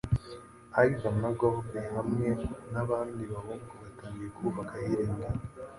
Ivan na Gordy hamwe nabandi bahungu batangiye kubaka ahirengeye